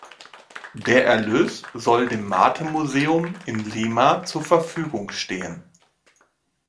Der Erlös soll dem Mate-Museum in Lima zur Verfügung stehen.